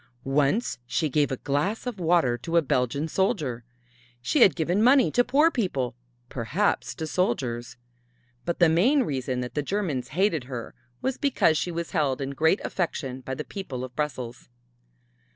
Once she gave a glass of water to a Belgian soldier. She had given money to poor people, perhaps to soldiers. But the main reason that the Germans hated her was because she was held in great affection by the people of Brussels.